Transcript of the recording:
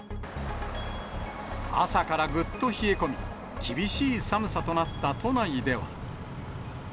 朝からぐっと冷え込み、厳しい寒さとなった都内では。